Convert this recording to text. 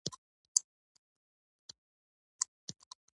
ترهګریز فعالیتونه د ټولنې امنیت ته جدي ګواښ دی.